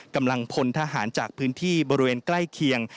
กำลังพลทหารจากพื้นที่บริเวณใกล้เคียง